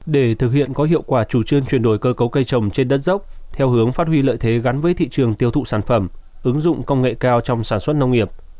để thực hiện có hiệu quả chủ trương chuyển đổi cơ cấu cây trồng trên đất dốc theo hướng phát huy lợi thế gắn với thị trường tiêu thụ sản phẩm ứng dụng công nghệ cao trong sản xuất nông nghiệp